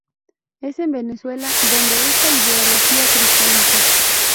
Es en Venezuela donde esta ideología cristaliza.